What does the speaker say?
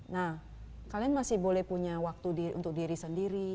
nah kalian masih boleh punya waktu untuk diri sendiri